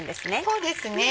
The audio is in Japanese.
そうですね。